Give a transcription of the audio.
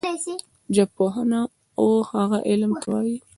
ژبپوهنه وهغه علم ته وايي